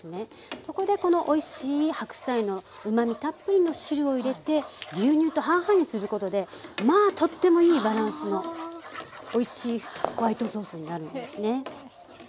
ここでこのおいしい白菜のうまみたっぷりの汁を入れて牛乳と半々にすることでまあとってもいいバランスのおいしいホワイトソースになるんですね。